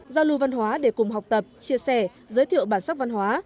giao lưu văn hóa để cùng học tập chia sẻ giới thiệu bản sắc văn hóa